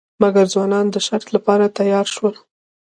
مګر ځوانان د شرط لپاره تیار شول.